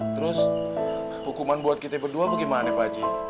terus hukuman buat kita berdua bagaimana pak haji